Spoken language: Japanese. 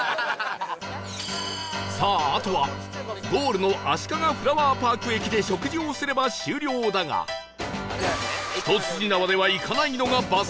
さああとはゴールのあしかがフラワーパーク駅で食事をすれば終了だが一筋縄ではいかないのがバスサンド